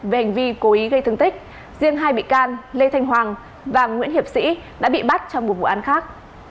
về hành vi cố ý gây thương tích riêng hai bị can lê thanh hoàng và nguyễn hiệp sĩ đã bị bắt trong một vụ án khác